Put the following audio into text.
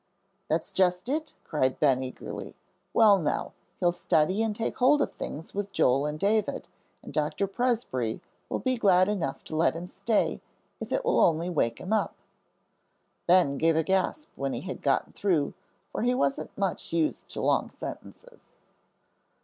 "That's just it," cried Ben, eagerly. "Well now, he'll study and take hold of things with Joel and David, and Dr. Presbrey will be glad enough to let him stay if it will only wake him up." Ben gave a gasp when he had gotten through, for he wasn't much used to long sentences.